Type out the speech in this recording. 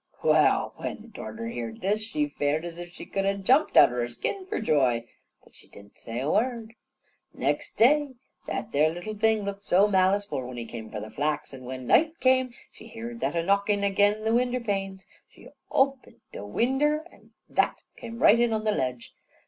Well, when the darter heerd this, she fared as if she could ha' jumped outer her skin for joy, but she di'n't say a word. Next day, that there little thing looked soo maliceful when he come for the flax. An' when night came, she heerd that a knockin' agin the winder panes. She oped the winder, an' that come right in on the ledge.